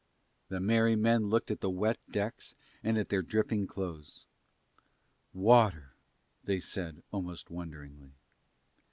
The merry men looked at the wet decks and at their dripping clothes. "Water," they said almost wonderingly.